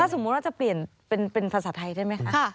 สมมุติว่าจะเปลี่ยนเป็นภาษาไทยได้ไหมคะ